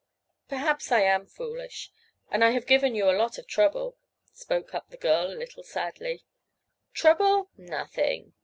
"Perhaps I am foolish. And I have given you a lot of trouble," spoke up the girl a little sadly. "Trouble? Nothing!"